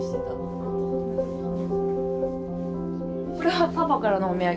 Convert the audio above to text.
これはパパからのお土産。